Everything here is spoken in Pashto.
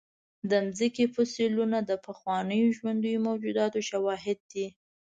د مځکې فوسیلونه د پخوانیو ژوندیو موجوداتو شواهد دي.